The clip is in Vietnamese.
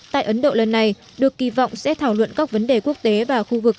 tại ấn độ lần này được kỳ vọng sẽ thảo luận các vấn đề quốc tế và khu vực